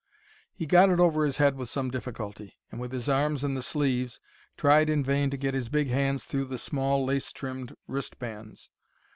He got it over his head with some difficulty, and, with his arms in the sleeves, tried in vain to get his big hands through the small, lace trimmed wristbands.